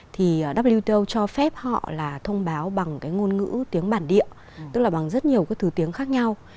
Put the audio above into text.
thông báo bằng ngôn ngữ tiếng bản địa tức là bằng rất nhiều thứ tiếng khác nhau